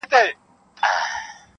• بریالیو ته پرېماني خزانې وې -